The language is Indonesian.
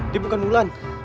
dia bukan ulan